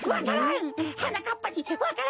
わか蘭！